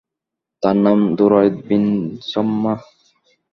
তার নাম Durayd bin ছম্মাহ।